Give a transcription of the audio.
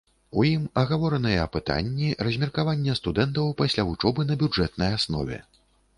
У ім агавораныя пытанні размеркавання студэнтаў пасля вучобы на бюджэтнай аснове.